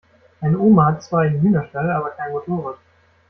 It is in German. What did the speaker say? Meine Oma hat zwar einen Hühnerstall, aber kein Motorrad.